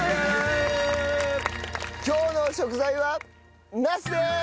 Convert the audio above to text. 今日の食材はなすです！